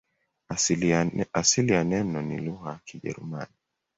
Asili ya neno ni lugha ya Kijerumani.